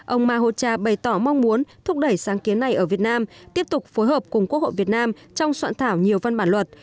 ông mahocha bày tỏ mong muốn thúc đẩy sáng kiến này ở việt nam tiếp tục phối hợp cùng quốc hội việt nam trong soạn thảo nhiều văn bản luật